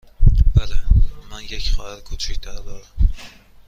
بله، من یک خواهر کوچک تر دارم.